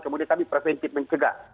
kemudian kami preventif menjaga